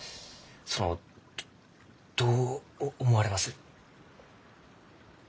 そのどう思われます？